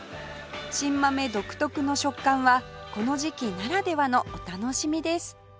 新豆独特の食感はこの時期ならではのお楽しみです